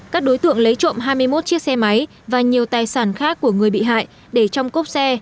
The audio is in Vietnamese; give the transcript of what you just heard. các đối tượng lấy trộm hai mươi một chiếc xe máy và nhiều tài sản khác của người bị hại để trong cốc xe